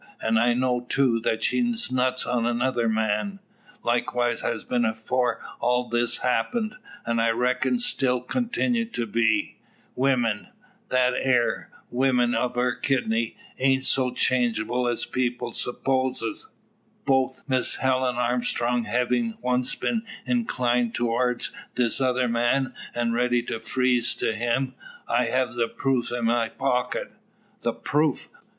An' I know, too, that she's nuts on another man leastwise has been afore all this happened, and I reck'n still continue to be. Weemen that air, weemen o' her kidney ain't so changeable as people supposes. 'Bout Miss Helen Armstrong hevin' once been inclined to'ardst this other man, an' ready to freeze to him, I hev' the proof in my pocket." "The proof!